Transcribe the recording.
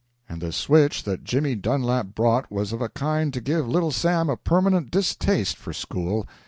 And the switch that Jimmy Dunlap brought was of a kind to give Little Sam a permanent distaste for school.